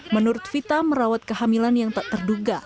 menurut vita merawat kehamilan yang tak terduga